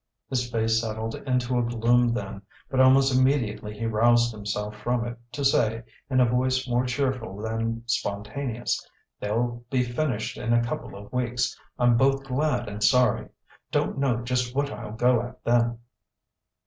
His face settled into a gloom then, but almost immediately he roused himself from it to say, in a voice more cheerful than spontaneous: "They'll be finished in a couple of weeks. I'm both glad and sorry. Don't know just what I'll go at then."